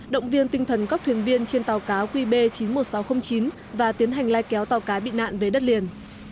động viên tinh thần các thuyền viên trên tàu cá qb chín mươi một nghìn sáu trăm linh chín và tiến hành lai kéo tàu cá bị nạn về đất liền